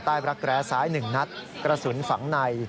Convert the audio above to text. รักแร้ซ้าย๑นัดกระสุนฝังใน